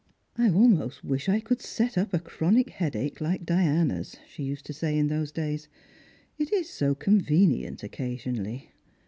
" I almost wish I could set up a chronic headache like Diana's," she used to say in those days. " It is so convenient occasionally."